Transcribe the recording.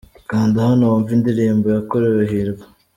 Kanda hano wumve indirimbo yakorewe Hirwa.